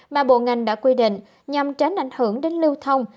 mà bộ ngành đã quy định nhằm tránh ảnh hưởng đến lưu thông